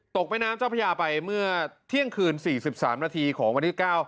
ตกไปน้ำเจ้าพระยาไปเมื่อเที่ยงคืนสี่สิบสามนาทีของวันที่เก้า